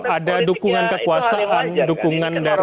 ada dukungan kekuasaan dukungan dari